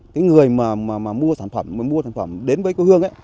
cái người mà mua sản phẩm mà mua sản phẩm đến với quê hương ấy